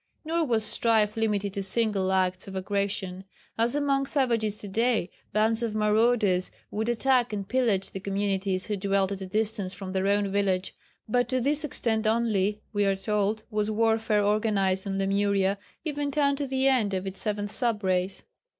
Nor was strife limited to single acts of aggression. As among savages to day, bands of marauders would attack and pillage the communities who dwelt at a distance from their own village. But to this extent only, we are told, was warfare organised on Lemuria, even down to the end of its seventh sub race.